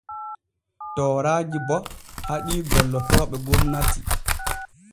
Tooraaji bo haɗii gollotooɓe gomnati.